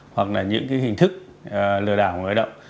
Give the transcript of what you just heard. hoặc là những hình thức lừa đảo của người đạo